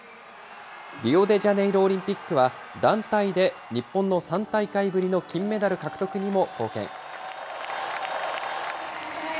リオデジャネイロオリンピックは団体で日本の３大会ぶりの金メダル獲得にも貢献。